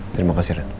terima kasih ren